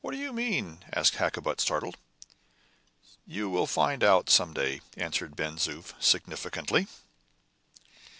"What do you mean?" asked Hakkabut, startled. "You will find out some day," answered Ben Zoof, significantly.